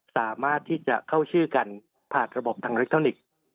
สามารถที่จะเข้าชื่อกันผ่านระบบทางอิเล็กทรอนิกส์